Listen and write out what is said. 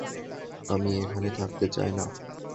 আমি এখানে থাকতে চাই না!